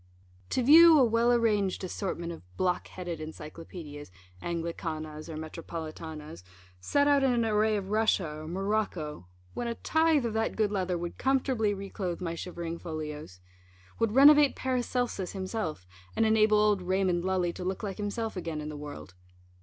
To view a well arranged assortment of blockheaded Encyclopædias (Anglicanas or Metropolitanas) set out in an array of Russia, or Morocco, when a tithe of that good leather would comfortably re clothe my shivering folios; would renovate Paracelsus himself, and enable old Raymund Lully to look like himself again in the world.